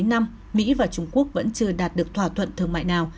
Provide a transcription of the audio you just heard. chín năm mỹ và trung quốc vẫn chưa đạt được thỏa thuận thương mại nào